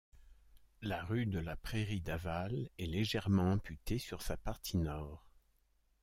La rue de la Prairie-d'Aval est légèrement amputée sur sa partie nord.